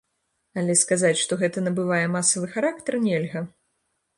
Але сказаць, што гэта набывае масавы характар, нельга.